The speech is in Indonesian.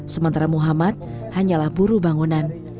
sementara muhammad hanyalah buru bangunan